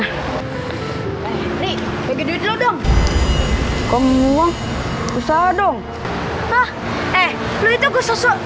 hai hai bagi duit lo dong kamu ngomong usaha dong hah eh lu itu gue sosok